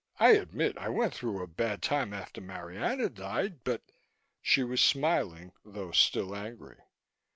"I admit I went through a bad time after Marianna died, but " She was smiling, though still angry.